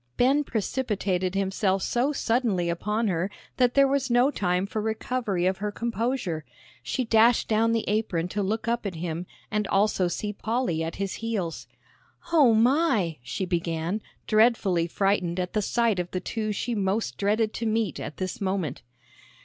Ben precipitated himself so suddenly upon her that there was no time for recovery of her composure. She dashed down the apron to look up at him and also see Polly at his heels. "O my!" she began, dreadfully frightened at the sight of the two she most dreaded to meet at this moment.